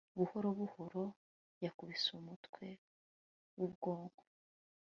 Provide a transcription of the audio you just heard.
buhorobuhoro yakubise umutwe wubwonko